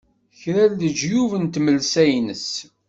kra n leǧyub n tmelsa-ines.